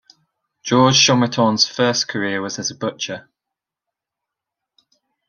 Georges Chometon's first career was as a butcher.